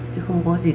chứ không phải là